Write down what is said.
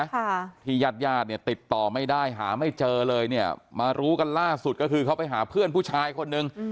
ค่ะที่ญาติญาติเนี่ยติดต่อไม่ได้หาไม่เจอเลยเนี่ยมารู้กันล่าสุดก็คือเขาไปหาเพื่อนผู้ชายคนนึง